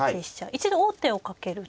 一度王手をかける手。